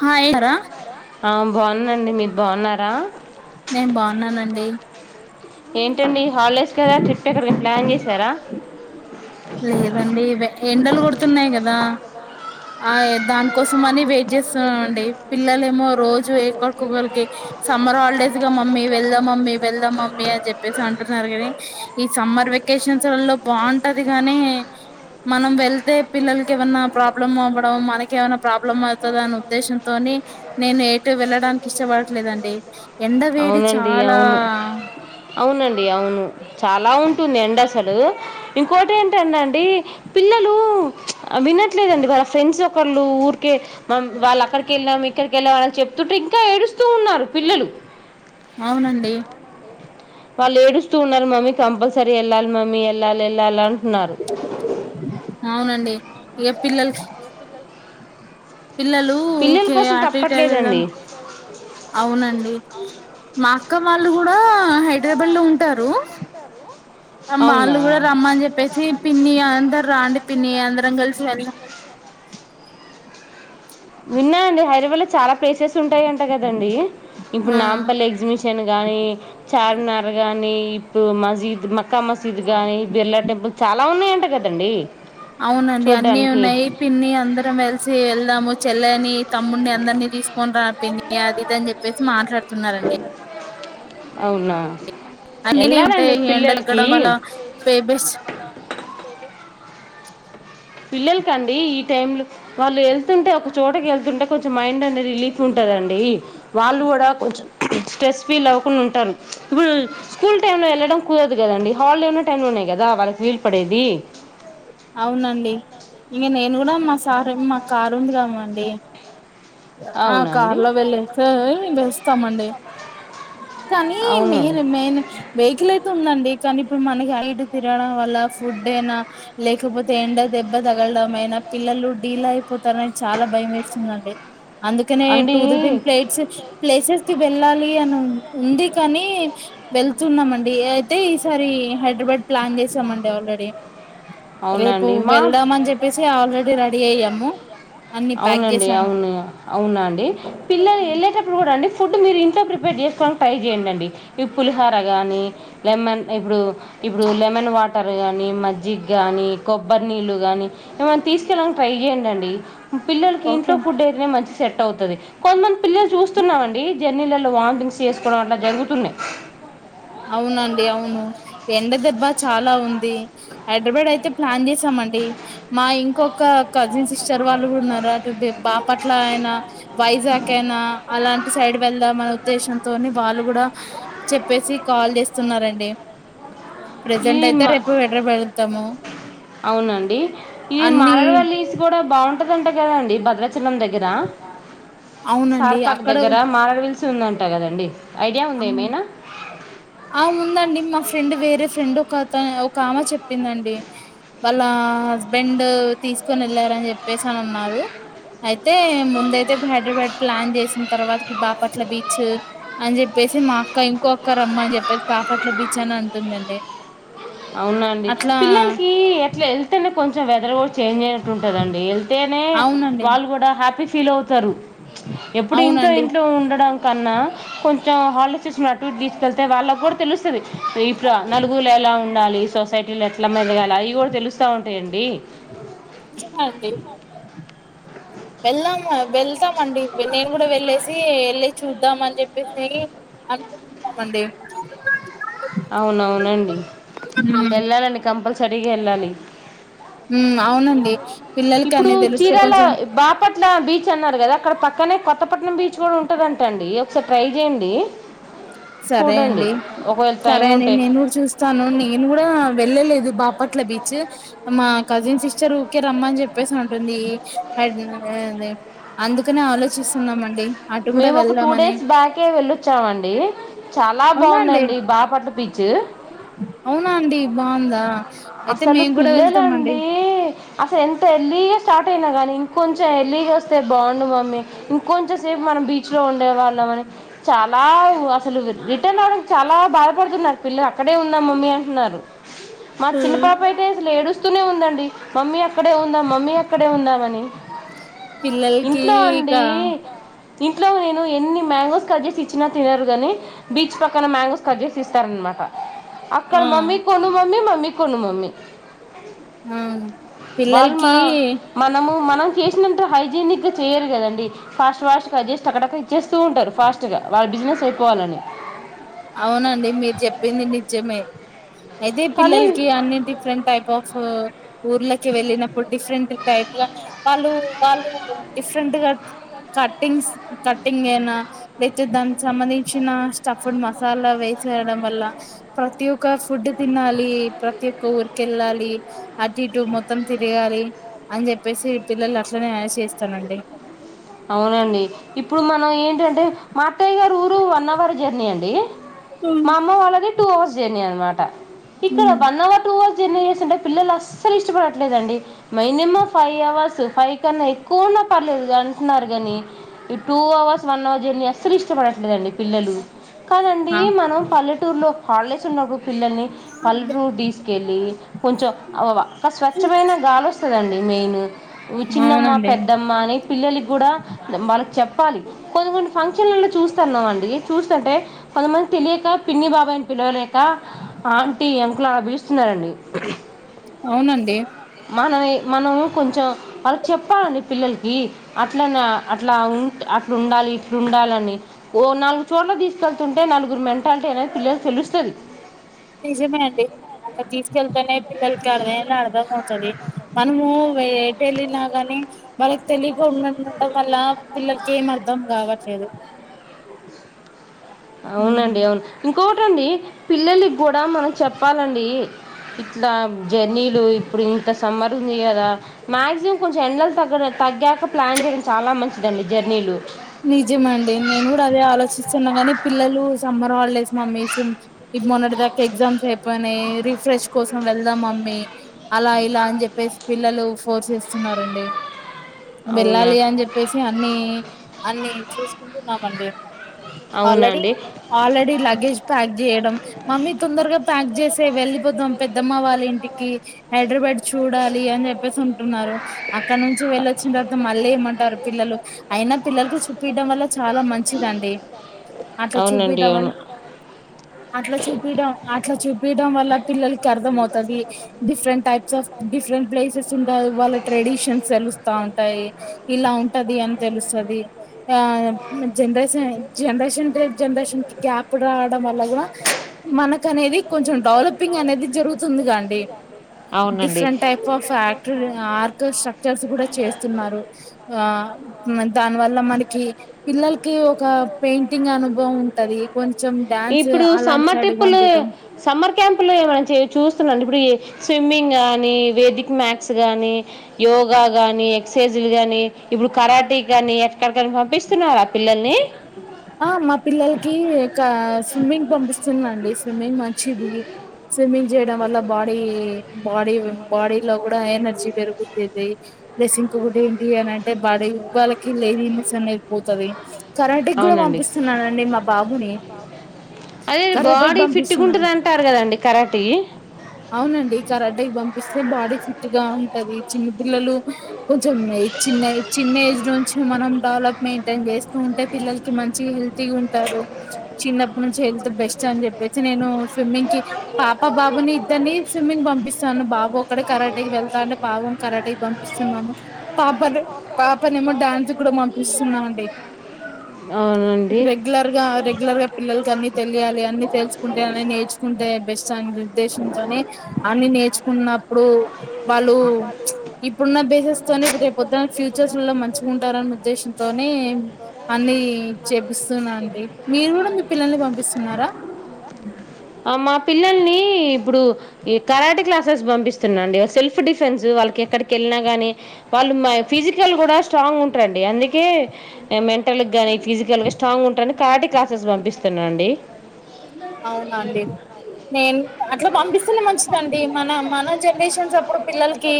Hi రా బాన్నారా బాన్న అండి మీరు బాన్నారా నేను బాగున్నానండి ఏంటండి హాలిడేస్ కదా ట్రిప్ ఎక్కడ ప్లాన్ చేస సరా లేదండి ఇవే ఎండలు కొడుతున్నాయి కదా ఆయ్ దానికోసం అని వెయిట్ చేస్తున్నామండి పిల్లలే ఏమో రోజు ఒకరికొకరికి సమ్మర్ హాలిడేస్ గా మమ్మీ వెళ్దాం వెళ్దాం మమ్మీ వెళ్దాం మమ్మీ అని చెప్పేసి అంటున్నారు కాని ఈ సమ్మర్ వెకేషన్స్ లలో బాంటది అ గానీ మనం వెళ్తే పిల్లల కెమన్నా ప్రాబ్లం అవ్వడం మనక ఏమన్నా ప్రాబ్లం అవుతదా అన్న ఉద్దేశంతోని నేను ఎటు వెళ్ళడానికి ఇష్టపడట్లేదండి ఎండ వేడి అవునండి చాలా అవును అవునండి అవును చాలా ఉంటుంది ఎండ అసలు ఇంకోటేంట అండి పిల్లలు వినట్లేదండి వాళ్ళ ఫ్రెండ్స్ ఒకళ్ళు ఊరికే వాళ్ళు అక్కడికి వెళ్ళాము ఇక్కడికి వెళ్ళామ అని చెప్తుంటే ఇంకా ఏడుస్తూ ఉన్నారు పిల్లలు అవునండి వాళ్ళు ఏడుస్తూ ఉన్నారు మమ్మీ కంపల్సరీ వెళ్ళాలి మమ్మీ వెళ్ళాలి వెళ్ళాలి అంటున్నారు అవునండి ఏ పిల్లలకి పిల్లలు పిల్లల ఊకె కోసం అటు ఇటు ఎల్దమ్ తప్పట్లేదండి అవునండి మా అక్క వాళ్ళు కూడా హైదరాబాద్ లో ఉంటారు. అవునా అమ్మాళ్ళు కూడా రమ్మని చెప్పేసి పిన్ని అందరు రాండి పిన్ని అందరం కలిసి వెళ్దాం. విన్నా అండి హైదరాబాద్ లో చాలా ప్లేసెస్ ఉంటాయింట కదండి ఇప్పుడు ఆ నాంపల్లి ఎగ్జిబిషన్ గానీ చార్మినార్ గాని ఇప్పుడు మజీద్ మక్కా మసీద్ గాని బిర్లా టెంపుల్ చాలా ఉన్నాయంట కదండి. అవునండి అన్ని చూడ్డానికి ఉన్నాయి పిన్ని అందరం వెలిసి వెళ్దాము. చెల్లనీ తమ్ముడిని అందరినీ తీసుకొని రా పిన్ని నే అది ఇది అని చెప్పేసి మాట్లాడత తూన్నారండి అవునా అన్నినే వెళ్ళాలండి ఉంటాయి పిల్లలకి ఎండక్కడం వల ఫేబెస్ పిల్లలకండి ఈ టైమ్లో వాళ్ళు వెళ్తుంటే ఒక చోకటి వెళ్తుంటే కొంచం మైండ్ అనేది రిలీఫ్ ఉంటదండి వాళ్ళు కూడా కొంచెం స్ట్రెస్ ఫీల్ అవ్వకుడా ఉంటారు ఇప్పుడు స్కూల్ టైం లో ఎల్లడం కుదరదు. కుదరదుకదండి హాలిడే ఉన్న టైం లోనే కదా వాళ్ళకి వీలు పడేది. అవునండి ఇంక నేను కూడా మా సార్ మా కారు ఉంది కామండి. ఆ అవునండి కార్లో వెళ్ళితే బెస్ట్ వస్తామండి కానీ అవునండి మెయిన్ మెయిన్ వెహికల్ అయితే ఉందండి కానీ ఇప్పుడు మనకి ఐటు తిరడం వల్ల ఫుడ్ అయినా తూబ్బుతేండా దెబ్బ తగలడం ఎమైనా పిల్లలు డీలే అయిపోత అంతనే చాలా భయం వేస్తుందిండి అందుకనే అండి టూరిజం ప్లేట్స్ ప్లేసెస్ కి వెళ్ళాల పోవాలని ఉంది కాని వెళ్తున్నామండి అయితే ఈసారి హైదరాబాద్ ప్లాన్ చేసామండి ఆల్రెడీ రేపు అవునండి మా వెళ్దాం అని చెప్పేసి ఆల్రెడీ రెడీ అయ్యాము అన్ని ప్యాక్ అవునండి చేసాను అవును అవునండి పిల్లలు వెళ్ళేటప్పుడు కూడా అండి ఫుడ్ ఇప్పుడు మీరు ఇంట్లో ప్రిపేర్ చేసుకోడానికి ట్రై చేయండండి. ఇ పులిహర గాని లెమన్ ఇప్పుడు ఇప్పుడు లెమన్ వాటర్ గాని మజ్జిగ్ గాని కొబ్బరి నీళ్ళు గాని ఏమనా తీసుకెళ్ళడానికి ట్రై చేయండండి. పిల్లలకి ఓకే అండి. ఇంట్లో ఫుడ్ అయితేనే మంచిది. సెట్ అవుతది కొంతమంది పిల్లలు చూస్తున్నామ అండి జర్నీలలో వామిటింగ్స్ చేసుకోవడం అట్లా జరుగుతున్నాయి అవునండి అవును ఎండ దెబ్బా చాలా ఉంది హైదరాబాడ్ అయితే ప్లాన్ చేసామండి మా ఇంకొక కజిన్ సిస్టర్ వాళ్ళు కూడా ఉన్నారు అటు బ్ బాపట్ల ఆయన వైజాకైనా అలాఅన్ సైడ్ వెళదాం అనే ఉద్దేశంతోని వాళ్ళు కూడా చెప్పేసి కాల్ చేస్తున్నరండి ఇది మా వెళ్తాము అవునండి ఇ అన్ని మారవడిస్ కూడా బాగు ఉంటదంట కదండీ భద్రాచే చలం దగ్గర అవునండి సార్పాక్ అక్కడ దగ్గర మార విల్స్ ఉందండి అంటా కదండి ఐడియా అ ఉంది ఏమైనా ఆ ఉందండి మా ఫె ఫ్రెండ్ వేరే ఫ్రెండ్ ఒకత ఒక ఆమే చెప్పిందండి వాళ్ళ హస్బెండ్ తీసుకొని వెళ్ళారని చెప్పేసి అనన్నారు అయితే ముందయితే ఇప్పుడు హైదరాబాద్ ప్లాన్ చేసిన తర్వాత బాపట్ల బీచ్ అని చెప్పి చెప్పేసి మా అక్క ఇంకోఅక్క రమ్మని చెప్పేసి బాపట్ల బీచ్ అని అంటుందండి అవునండి అట్లా పిల్లలకి ఎట్లా వెళ్తేనే కొంచెం వె నిద్ర ఓడ్ చేంజ్ అయినట్టు ఉంటదండి ఏళ్తేనే అవునండి వాళ్ళు కూడా హ్యాపీ ఫిలవ్తు తరు ఎప్పుడు ఇంట్లో అవునండి ఇంట్లో ఉండడానికి కన్నా కొంచెం హాలిడేస్ వచ్చినపుడు అటు ఇటు తీసుకెళ్తే వాళ్ళకి కూడా తెలుస్తుంది ఇప్పుడు నలుగురిలో ఎలా ఉండాలి ఉండాలి సొసైటీలో ఎట్లా మెదగాలి అవి కూడా తెలుస్తా ఉంటాయండి వెళ్ళం వెళ్తామండి నేను కూడా వెళ్ళేసి వెళ్ళి చూద్దాం అని చెప్పేసి అంత మండి అవునవునండి హ్మ్. వెళ్ళాలండి కంపల్సరీ ఎల్లాలి ఉ అవునండి పిల్లలకి ఇప్పుడు అన్నీ తెలిస్తే చీరాల కొంచెం బాపట్ల బీచ్ టె అన్నారు కదా అక్కడ పక్కనే కొత్తపట్నం బీచ్ కూడా ఉంటదంట అండి ఒకసారి ట్రై చేయండి సరే చూడండి అండి ఒకవేళ టైం సరే అండి ఉంటే నేను కూడా చూస్తాను నేను కూడా వెళ్ళలేదు బాపట్ల బీచ్ మా కజిన్ సిస్టర్ ఊకే రమ్మని చెప్పేసి ఉంటుంది అండ్ అందుకనే ఆలోచిస్తున్నామండి అటు కూడా మేము ఒక టూ వెళ్దామని డేస్ బ్యాకే వెళ్ళొచ్చామండి చాలా అవునా అండి బాగుందండి బాపట్ల బీచ్ అవునా అండి బాగుందా అయితే అసలు మేము కూడా వెళ్తామండి పిల్లలండీ అసలు ఎంత ఎర్లీగా స్టార్ట్ అయినా కానీ ఇంకొంచెం ఎర్లీగా వస్తే బాగుండు మమ్మీ ఇంకొంచెం సేపు మనం బీచ్లో ఉండేవాళ్ళం అని చాలా అసలు అంటే నా చాలా బాధపడుతున్నారు పిల్లలు అక్కడే ఉందాం మమ్మీ అంటున్నారు మా చిన్న పాప అయితే అసలు ఏడుస్ తూనే ఉందండి మమ్మీ అ అక్కడే ఉందా మమ్మీ, అక్కడే ఉందామని పిల్లలకి ఇంట్లో ఇక అండీ. ఇంట్లో నేను ఎన్ని మ్యాంగోస్ కట్ చేసి ఇచ్చినా తినరు గానీ, బీచ్ పక్కన మ్యాంగోస్ కట్ చేసి ఇస్తారనమాట. అక్కడ ఆ మమ్మీ కొను మమ్మీ మమ్మీ కొను మమ్మీ హ్మ్ వాళ్ళు మనం మనము మనం చేసినంత హైజీనిక్ గా చెయ్యరు కదండి. ఫాస్ట్ ఫాస్ట్ గా కట్ చేసి టక టక ఇచ్చేస్తూ ఉంటరు ఫాస్ట్ గా వాళ్ళ బిజినెస్ అయిపోవాలని. అవునండి మీరు చెప్పింది నిజమే [unintelligible] అయితే కానీ పిల్లల్కి అన్నీ డిఫరెంట్ టైప్ ఆఫ్ ఊర్ల వెళ్ళినప్పుడు డిఫరెంట్ టైప్ గా వాళ్ళు వాళ్ళు డిఫరెంట్ గా కట్టింగ్స్ కట్టింగ్ ఐనా వెజ్ దానికి సంబంధించిన స్టఫ్ ఫుడ్ మ అలా వేసేయడం వల్ల ప్రతి ఒక ఫుడ్ తినాలి, ప్రతి ఒక్క ఊరికెళ్ళాలి, అటు ఇటు మొత్తం తిరగాలి, అని చెప్పేసి పిల్లలు అట్లనే చేస్తనండి. అవునండి ఇప్పుడు మనం ఏంటంటే మా అత్తయ్య గారి ఊరు వన్ అవర్ జర్నీ అండి. మా అమ్మ వాళ్ళది టూ అవర్స్ జర్నీ అనమాట ఇక్కడ వన్ అవర్ టూ అ జర్నీ చేస్తుంటే పిల్లలు అస్సలు ఇష్టపడట్లేదండి. మినిమం ఫైవ్ అవర్స్ ఫైవ్ కన్నా ఎక్కువున్న పర్లేదు గాని కున్నారు గానీ ఈ two hours, one hour journey, అస్సలు ఇష్టపడట్లేదండి పిల్లలు. కాదండి మనం పల్లెటూరులో హాలిడేస్ ఉన్నప్పు పిల్లల్ని పలుటూరు తీసుకెళ్ళి కొంచెం ఆ స్వచ్చమైన గాలి వస్తదండి. మెయిన్ చిన్నమ్మ, అవునండి పెద్దమ్మ అని పిల్లలి కి కూడా వాళ్ళకి చెప్పాలి. కొన్ని కొన్ని ఫంక్షన్లలో చూస్తన్నాం అండి చూస్తుంటే, కొంతమంది తెలియక పిన్ని, బాబాయని పిలవలేక ఆంటీ, అంకులు అలా పిలుస్తున్నారండి. అవునండి మనమే మనం కొంచెం వాళ్లకి చెప్పాలండి పిల్లలికి అట్లనా అట్లా ఉంట్ అట్ల ఉండాలి ఇట్ల ఉండాలని, ఓ నాలుగు చోట్లకు తీసుకెళ్తుంటే నలుగురు మెంటాలిటీ అనేది పిల్లలకు తెలుస్తది. నిజమే అండి అట్ల తీసుకెళ్తేనే పిల్లలకి [unintelligible] అర్థంగా ఉంటది. మనము ఎటు వెళ్ళినా కాని వాళ్ళకి తెలి [unintelligible] కోపంలా పిల్లలకి ఏం అర్థం కావట్లేదు అవునండి అవును ఇంకో వునండి పిల్లలకి కూడా మనం చెప్పాలండి ఇట్లా జర్నీలు ఇప్పుడు ఇంత సమ్మర్ ఉంది కదా, మాక్సిమం కొంచెం ఎండలు తగ్గడం తగ్గాక ప్లాన్ చేయడం చాలా మంచిదండి జర్నీలు నిజమండి నేను కూడ అదే ఆలోచిస్తున్నా గాని పిల్లలు సమ్మర్ హాలిడేస్ మమ్మీ ఫు మొన్నటి దాకా ఎగ్జామ్స్ అయిపోయినాయి రిఫ్రెష్ కోసం వెళ్దాం మ హుమ్ అలా ఇలా అని చెప్పేసి పిల్లలు ఫోర్స్ చేస్తున్నారండి అవునా వెళ్ళాలి అన్ చెప్పేసి అన్ని చూసుకుంటు ఉన్ననుండికుం ఆల్రెడీ అవునండి ఆల్రెడీ లగేజ్ ప్యాక్ చేయడం మమ్మీ తొందరగా ప్యాక్ చేసి వెళ్ళిపోతాం పెద్దమ్మ వాళ్ళ ఇంటికి హైదరాబ్యాడ్ చూడాలి అని చెప్పేసి ఉంటున్నారు అక్కడ నుంచి వెళ్ళో చ్ [inaudible] మళ్ళీ ఏమంటారో పిల్లలు అయినా పిల్లలతో చూపియడం వల్ల చాలా మంచిదండి అట్లా అవునండి చూపియడం వల్ల అవును అట్లా చూపియడం అట్లా చూపి తీయడంవల్ల పిల్లలకి అర్థమవుతది డిఫరెంట్ టైప్స్ డిఫరెంట్ ప్లేసెస్ ఉంట వాళ్ళ ట్రెడిషన్స్ తెలుస్తా ఉంటాయి ఇలా ఉంటది అని తెలుస్తది ది ఆ generation generation to generation gap రావడం వల్ల కూడా మనకనేది కొంచెం డెవలపింగ్ అనేది జరుగుతుందిగా అండి అవునండి different type of ఫ్యాక్ arc structures కూడా చేస్తున్నారు ఆ.. దాని వల్ల మనకి పిల్లలకి ఒక పెయింటింగ్ అనుభవం ఉంటది కొంత ఇప్పుడు సమ్మర్ ట్రిప్పులు సమ్మర్ క్యాంపులు ఏమైన చూ అసల్ రండి గుడి ఏచ్ స్విమ్మింగ్ ఆనిల్.. వేదిక్ మ్యాత్స్ గాని యోగా గాని ఎక్సర్సైజ్లు గాని ఇప్పుడు కరాటీీ గాని ఎక్కడికన్నా పంపిస్తున్నారా పిల్లల్ని ఆ మా పిల్లలకి కా స్విమ్మింగ్ పంపిస్తుందిండి స్విమ్మింగ్ మంచిది స్విమ్మింగ్ చేయడం వల్ల బాడీ... బాడీ బాడీ లో కూడా ఎనర్జీ పెరుగుతుది ప్లస్ ఇంకోకటి ఏంటి అనంటే పది రూపాయిలకి లేది ఇన్నెస్ అనే పోతది కరాటే అవునండి పంపిస్తున్నానండి మా బాబుని. అదే కరాటికి బాడీ ఫిట్గా పంపిస్తున్నాను. ఉంటుంది అంటారు కదండి కరాటీ అవునండి కరాటికి పంపిస్తే బాడీ ఫిట్టు గా ఉంటది పిల్లలూ కొంచెం ఏజ్ చిన్న చిన్న ఏజ్ నుంచి మనం వాళ్ళకు మైంటైన్ చేస్తూ ఉంటే పిల్లలు మంచి హెల్తీ ఉంటారు చిన్నపనుంచి నుంచి హెల్త్ బెస్ట్ అని చెప్పేసి నేను స్విమ్మింగ్ కి పాప బాబుని ఇద్దరిని స్విమ్మింగ్ పంపిస్తాను బాబు ఒక్కడే కరాటి వెళ్తా అంటే బాబుని కరాటిక్ పంపిస్తున్నాను పాపను పాపనేమో డ్యాన్స్ గూడా పంపిస్తున్నామండి అవునండి రెగ్యులర్ గా రెగ్యులర్ గా పిల్లలకి అన్ని తెలియాలి అన్ని తెలుసుకుంటే అన్ని నేర్చుకుంటే బెస్ట్ అండి ఉద్దేశంతోనే అన్ని నేర్చుకున్నప్పుడు వాళ్ళు. ఇప్పుడున్న బేసెస్ తోని ఇప్పుడు రే పొద్దున్న ఫ్యూచర్స్లో మంచిగుంటారనే ఉద్దేశంతోనే అన్ని చేపిస్తునండి మీరు కూడా మీ పిల్లల్ని పంపిస్తున్నారా అ మా పిల్లల్ని ఇప్పుడు ఈ కరాటి క్లాసెస్ పంపిస్తున్నాండి ఒక అ సెల్ఫ్ ఫ్ డిఫెన్స్ వాళ్ళకి ఎక్కడికి వెళ్ళినా గానీ వాళ్ళు మ ఫిజికల్ కూడా స్ట్రాంగుంటారండి అందుకే.. మెంటల్ గాని ఫిసికల్గా స్ట్రాంగ్ ఉంటారని తర్డ్ క్లాసెస్ కీ పంపిస్తున్నాండి ఆవునండి. నేను అట్ల పంపిస్ అప్పుడు పిల్లలకి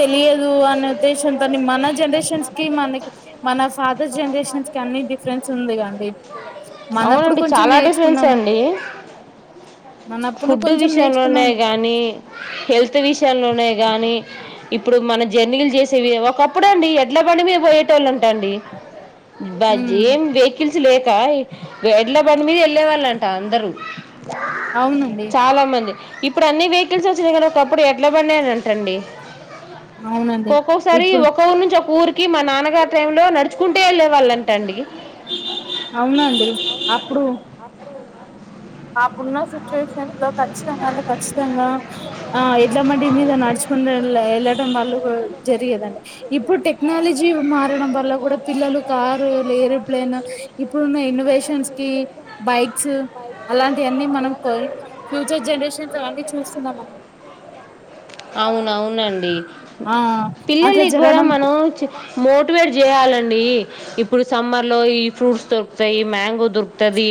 తెలియదు అనే ఉద్దేశంతోని మన జనరేషన్స్ కి మనకి మన ఫాదర్ జనరేషన్స్ కి అన్ని డిఫరెన్స్ ఉంది కండి మనప్పుడు అవునండి చాలా డిఫరెన్స అండి మన అప్పును కొంచం నేర్చుకున్నామ్ గాని హెల్త్ విషయంలోనే గాని ఇప్పుడు మన జంర్లీ ఒక అప్పుడండి ఎడ్ల బండి మీద పోయేటోలు అంట అండి బజ్ ఉమ్ ఏం వెహికల్స్ లేక ఎడ్ల బండి మీద వెళ్ళే వాళ్ళంట టా అందరూ అవునండి చాలా మంది ఇప్ ఇప్పుడు అన్ని వెహికల్స్ వచ్చినయి కానీ ఒకప్పుడు ఎడ్ల బండే అంటండి అవునండి ఒక్కోసారి ఇప్పుడు ఒకార్ ఊరు నుంచి ఒక ఊరికి మా నాన్నగారి టై లో నడుచుకుంటే వెళ్ళే వాళ్ళం టండి అవునండి అప్పుడు అప్పుడున్న సిచ్యువేషన్స్ లో ఖచ్చితంగాంట ఖచ్చితం తంగా ఆ ఎడ్ల బండి మీద నడుచుకుని వెళ్ళడం వల్ల జరిగేదండి ఇప్పుడు టెక్నాలజీ మారడం వల్ల కూడా పిల్లలు కారు ఏరోప్లేన్ ఇప్పుడున్న ఇన్నోవేషన్స్ కి బైక్స్ అలాంటియన్నీ మనం కో ఫ్యూచర్ జనరేషన్స్ అవన్నీ చూస్తున్నాం అవునవునండి అట్లా పిల్లలకి కూడా జరగడం మనం చి మోటివేట్ చేయాలండి ఇప్పుడు సమ్మర్ లో ఈ ఫ్రూట్స్ దొరుకుతాయి మ్యాంగో దొరుకుతది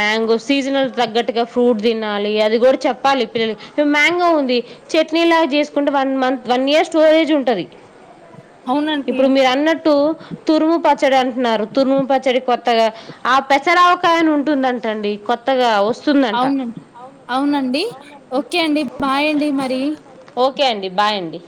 మ్యాంగో సీజనల్ తగ్గట్టుగా ఫ్రూట్ తినాలి అది కూడా చెప్పాలి పిల్లలకి మ్యాంగో ఉంది చెట్ ట్నీ లాగా చేసుకుంటే one month one year storage ఉంటది అవునండి ఇప్పుడు మీరు అన్నట్టు తురుము పచ్చడి అంటున్నారు తురుము పచ్చడి కొత్తగా ఆ పెసరావకాయని ఉంటుందంట అండి కొత్తగా వస్తుందంట అవునండి అవునండి ఓకే అండి బాయ్ అండి మరి ఓకే అండి బాయ్ అండి